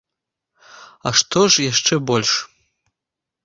А што ж яшчэ больш?